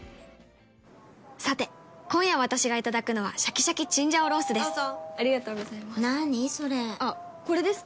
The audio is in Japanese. さて、今夜私がいただくのはシャキシャキチンジャオロースです。